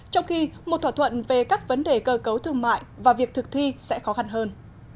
trong khi một thỏa thuận về các vấn đề cơ cấu thương mại và việc thực thi sẽ khó khăn hơn